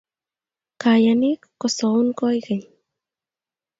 Kayanik kosaun koikeny